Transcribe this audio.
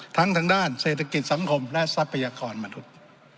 ทางด้านเศรษฐกิจสังคมและทรัพยากรมนุษย์